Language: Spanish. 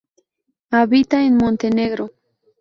Habita en Montenegro.